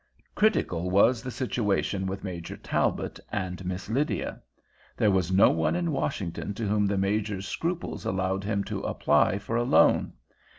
Critical was the situation with Major Talbot and Miss Lydia. There was no one in Washington to whom the Major's scruples allowed him to apply for a loan.